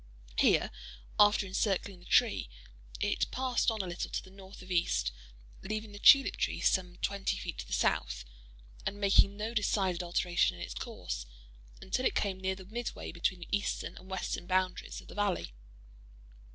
Here, after encircling the tree, it passed on a little to the north of east, leaving the tulip tree some twenty feet to the south, and making no decided alteration in its course until it came near the midway between the eastern and western boundaries of the valley.